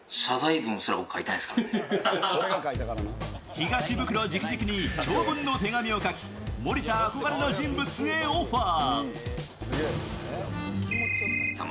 東ブクロじきじきに長文の手紙を書き、森田憧れの人物にオファー。